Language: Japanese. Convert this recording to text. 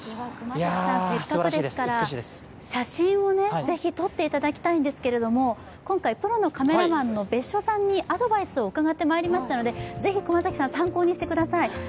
せっかくですから写真をぜひ撮っていただきたいんですけど今回、プロのカメラマンの別所さんにアドバイスをうかがってまいりましたので、ぜひ熊崎さん、参考にしてください